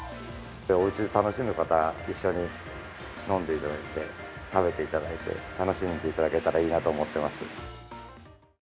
おうちで楽しむ方、一緒に飲んでいただいて、食べていただいて、楽しんでいただけたらいいなと思っています。